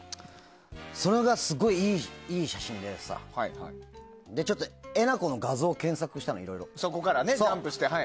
それが、すごいいい写真でさで、ちょっと、えなこの画像を検索したの、いろいろ。